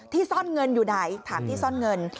ซ่อนเงินอยู่ไหนถามที่ซ่อนเงิน